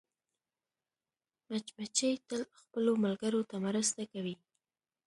مچمچۍ تل خپلو ملګرو ته مرسته کوي